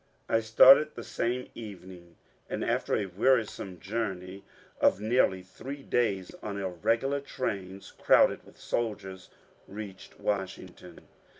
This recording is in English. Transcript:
I started the same evening, and after a wearisome journey of nearly three days on irregular trains crowded with soldiers reached Washington.